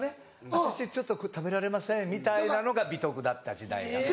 私ちょっと食べられませんみたいなのが美徳だった時代だから。